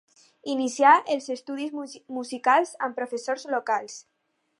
Inicià els estudis musicals amb professors locals.